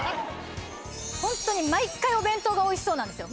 ホントに毎回お弁当がおいしそうなんですよ。